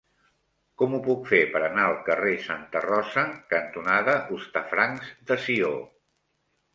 Com ho puc fer per anar al carrer Santa Rosa cantonada Hostafrancs de Sió?